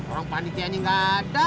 orang panitianya gak ada